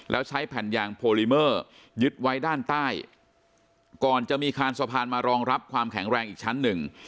แล้วใช้แผ่นยางโพลิเมอร์ยึดไว้ด้านใต้ก่อนจะมีคานสะพานมารองรับความแข็งแรงอีกชั้นหนึ่ง